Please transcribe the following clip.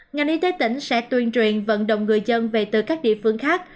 ngành y tế tỉnh sẽ tuyên truyền vận động người dân về từ các địa phương khác